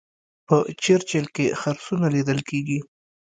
په چرچیل کې خرسونه لیدل کیږي.